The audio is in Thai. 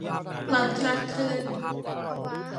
ความคลาดเคลื่อน